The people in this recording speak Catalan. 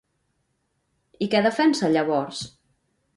I què defensa, llavors?